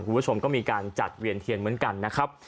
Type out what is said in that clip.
คุณผู้ชมก็มีการจัดเวียนเทียนเหมือนกันนะครับ